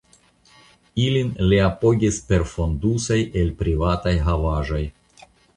Ilin li apogis per fondusoj el privataj havaĵoj.